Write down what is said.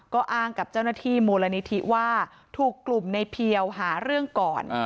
ก็อ้างกับเจ้าหน้าที่มูลนิธิว่าถูกกลุ่มในเพียวหาเรื่องก่อน